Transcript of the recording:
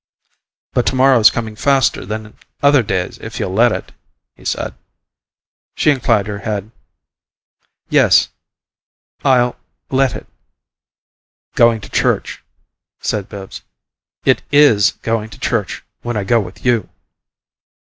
"But to morrow's coming faster than other days if you'll let it," he said. She inclined her head. "Yes. I'll 'let it'!" "Going to church," said Bibbs. "It IS going to church when I go with you!"